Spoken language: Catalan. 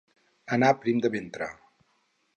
Anar prim de ventre.